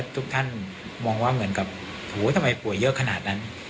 ทุกท่านให้เจ็บว่าทำไมป่วยเยอะขนาดนั้น